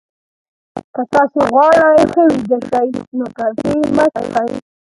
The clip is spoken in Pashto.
که تاسي غواړئ ښه ویده شئ، نو کافي مه څښئ.